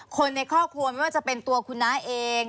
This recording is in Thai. คนในครอบครัวไม่ว่าจะเป็นตัวคุณน้าเอง